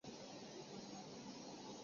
鲁布桑旺丹还是蒙古科学院院士。